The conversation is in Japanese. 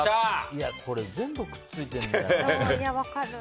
これ、全部くっついてるんだよな。